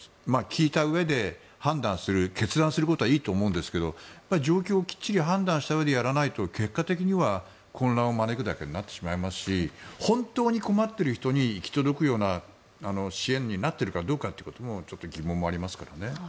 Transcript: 聞いたうえで判断する決断することはいいと思うんですけど状況をきっちり判断したうえでやらないと結果的には混乱を招くだけになってしまいますし本当に困ってる人に行き届くような支援になってるかってこともちょっと疑問もありますけどね。